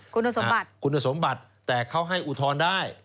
คุณสมบัติคุณสมบัติแต่เขาให้อุทธรณ์ได้